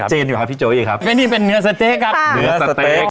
ชัดเจนอยู่ครับพี่โจ้ยครับอันนี้เป็นเนื้อสเต๊กครับเนื้อสเต๊ก